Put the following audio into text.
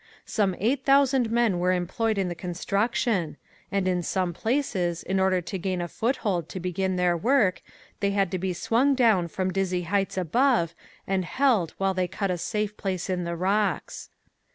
Some eight thousand men were employed in the construction and in some places in order to gain a foothold to begin their work they had to be swung down from dizzy heights above and held while they cut a safe place in the rocks.